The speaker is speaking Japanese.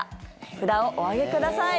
札をお上げください。